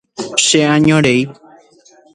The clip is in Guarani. cheañorei